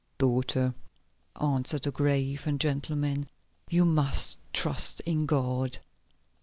"Daughter," answered the grave and gentle man, "you must trust in God.